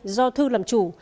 do thư làm chủ